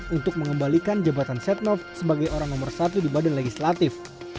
untuk mengembalikan jabatan setnov sebagai orang nomor satu di badan legislatif